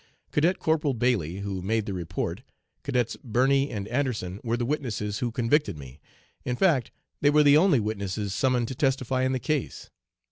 Cadet Corporal Bailey, who made the report, Cadets Birney and Anderson were the witnesses who convicted me; in fact they were the only witnesses summoned to testify in the case.